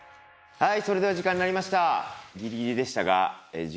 はい。